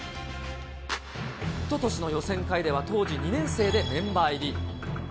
おととしの予選会では当時２年生でメンバー入り。